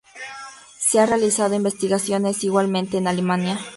Se han realizado investigaciones igualmente en Alemania.